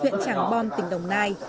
huyện tràng bon tỉnh đồng nai